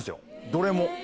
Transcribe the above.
どれも。